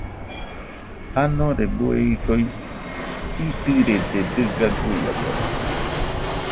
Janore bue isoi isɨrede dɨga guiakadɨkue.